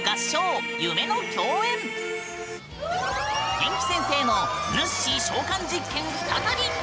元気先生のぬっしー召喚実験再び！